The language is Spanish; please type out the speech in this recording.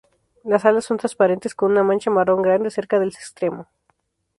Las alas son transparentes con una mancha marrón grande cerca del extremo.